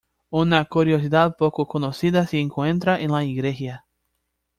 Una curiosidad poco conocida se encuentra en la iglesia.